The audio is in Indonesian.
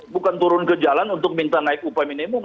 bukan turun ke jalan untuk minta naik upah minimum